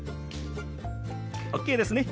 ＯＫですね。